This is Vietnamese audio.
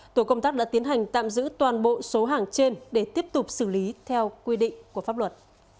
tổ công tác đã tiến hành tạm giữ toàn bộ số hàng trên để tiếp tục xử lý theo quy định của pháp luật